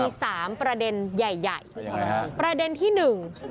มีสามประเด็นใหญ่ใหญ่ประเด็นที่หนึ่ง